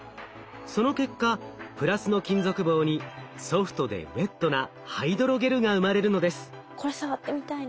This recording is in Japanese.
その結果プラスの金属棒にソフトでウエットなハイドロゲルが生まれるのです。